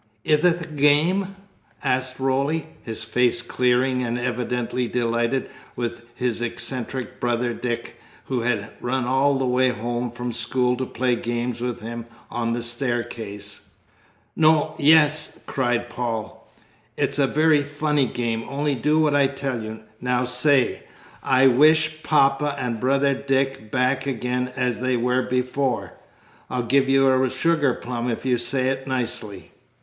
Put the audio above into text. "Ith it a game?" asked Roly, his face clearing and evidently delighted with his eccentric brother Dick, who had run all the way home from school to play games with him on the staircase. "No yes!" cried Paul, "it's a very funny game; only do what I tell you. Now say, 'I wish Papa and Brother Dick back again as they were before.' I'll give you a sugar plum if you say it nicely."